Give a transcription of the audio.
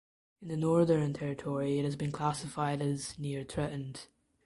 In the Northern Territory it has been classified as "Near threatened".